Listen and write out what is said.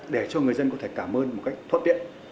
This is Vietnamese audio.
để cho người dân có thể cảm ơn một cách thuận tiện